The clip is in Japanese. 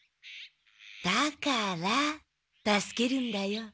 だから助けるんだよ。